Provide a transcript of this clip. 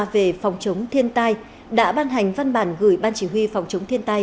về phòng chống thiên tai đã ban hành văn bản gửi ban chỉ huy phòng chống thiên tai